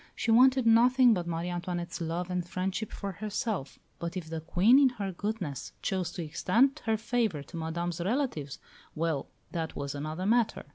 She wanted nothing but Marie Antoinette's love and friendship for herself; but if the Queen, in her goodness, chose to extend her favour to Madame's relatives well, that was another matter.